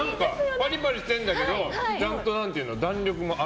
パリパリしてるんだけどちゃんと弾力もある。